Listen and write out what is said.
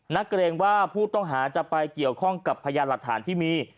เกรงว่าผู้ต้องหาจะไปเกี่ยวข้องกับพยานหลักฐานที่มี